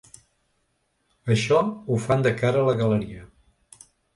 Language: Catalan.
Això ho fan de cara a la galeria.